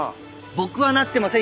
僕はなってませんよ。